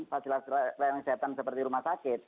fasilitas layanan kesehatan seperti rumah sakit